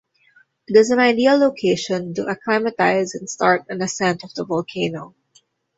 It is an ideal location to acclimatize and start an ascent of the volcano.